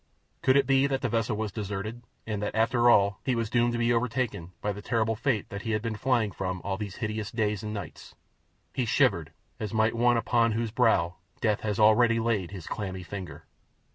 Could it be that the vessel was deserted, and that, after all, he was doomed to be overtaken by the terrible fate that he had been flying from through all these hideous days and nights? He shivered as might one upon whose brow death has already laid his clammy finger.